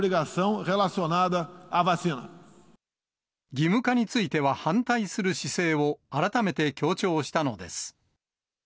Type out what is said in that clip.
義務化については反対する姿勢を改めて強調したのです。